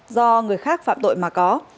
do người khác phạm tội mà có